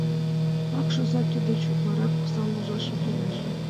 Вакш оза кӧ деч утларак оксам, ложашым кӱреш?